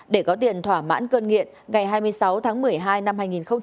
để có tiền thỏa mãn cơn nghiện ngày hai mươi sáu tháng một mươi hai năm hai nghìn một mươi chín